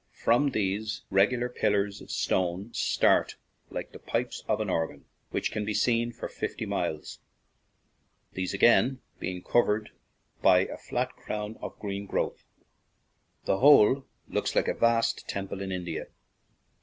From these, regular pillars of stone start like the pipes of an organ, which can be seen for fifty miles, these again being cov ered by a flat crown of green growth. The whole looks like a vast temple in India.